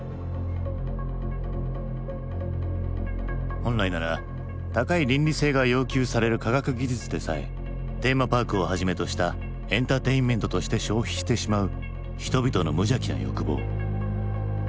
本来なら高い倫理性が要求される科学技術でさえテーマパークをはじめとしたエンターテインメントとして消費してしまう人々の無邪気な欲望。